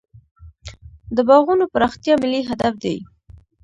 د باغونو پراختیا ملي هدف دی.